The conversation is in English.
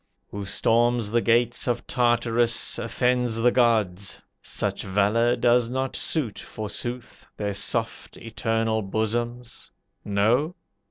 "Who storms the gates of Tartarus, Offends the gods. Such valor does not suit, forsooth, Their soft, eternal bosoms; no?